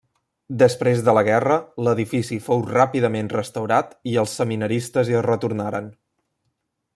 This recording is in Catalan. Després de la guerra l'edifici fou ràpidament restaurat i els seminaristes hi retornaren.